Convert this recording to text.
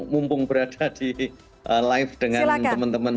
mumpung berada di live dengan teman teman